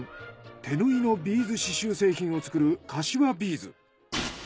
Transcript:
手縫いのビーズ刺繍製品を作る柏ビーズ。